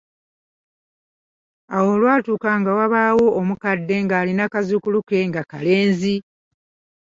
Awo olwatuuka nga wabaawo omukadde ng’alina kazzukulu ke nga kalenzi.